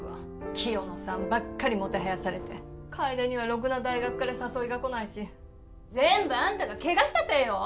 清野さんばっかりもてはやされて楓にはろくな大学から誘いが来ないし全部あんたがケガしたせいよ！